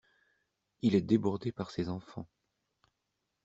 Il est débordé par ces enfants.